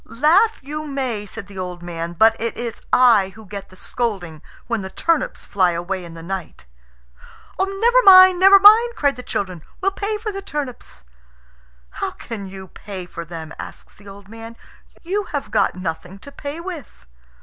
"Laugh you may," said the old man; "but it is I who get the scolding when the turnips fly away in the night." "Never mind! never mind!" cried the children. "We'll pay for the turnips." "How can you pay for them?" asks the old man. "You have got nothing to pay with."